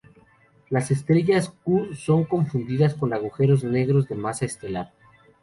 Las estrellas Q son confundidas con agujeros negros de masa estelar.